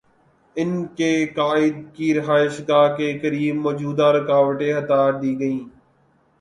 ان کے قائد کی رہائش گاہ کے قریب موجود رکاوٹیں ہٹا دی گئیں۔